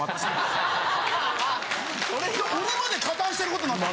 俺まで加担してることになってる。